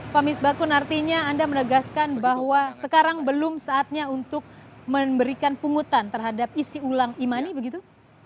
pak misbah kun artinya anda menegaskan bahwa sekarang belum saatnya untuk memberikan pungutan terhadap isi ulang imani begitu